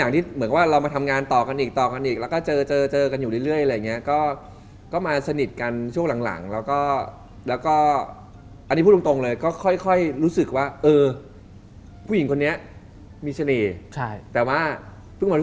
อย่างเชื่อที่ผมชอบ